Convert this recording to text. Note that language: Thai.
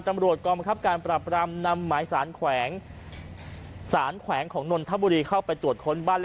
ตำรวจกองบังคับการปรับรามนำหมายสารแขวงสารแขวงของนนทบุรีเข้าไปตรวจค้นบ้านเลข